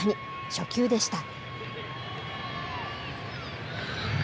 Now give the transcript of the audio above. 初球でした。